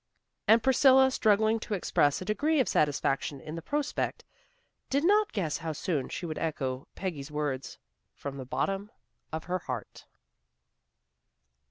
And Priscilla struggling to express a degree of satisfaction in the prospect, did not guess how soon she would echo Peggy's words from the bottom of her heart.